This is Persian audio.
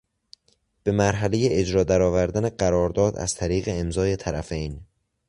به مرحلهی اجرا در آوردن قرارداد از طریق امضای طرفین